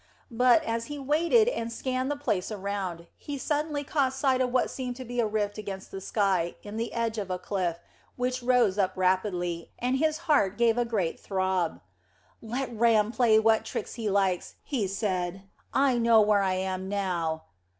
But, as he waited and scanned the place around, he suddenly caught sight of what seemed to be a rift against the sky in the edge of a cliff which rose up rapidly, and his heart gave a great throb. "Let Ram play what tricks he likes," he said, "I know where I am now."